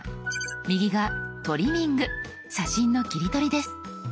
右が「トリミング」写真の切り取りです。